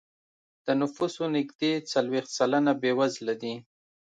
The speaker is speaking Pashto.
د نفوسو نږدې څلوېښت سلنه بېوزله دی.